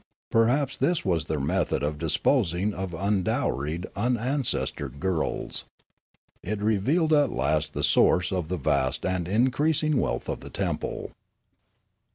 Perhaps this was their method of disposing of undowried, uu ancestored girls. It revealed at least the source of the vast and increasing wealth of the temple.